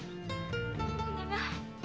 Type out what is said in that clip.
お願い。